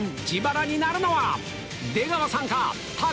自腹になるのは出川さんか？